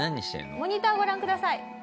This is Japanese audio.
モニターをご覧ください。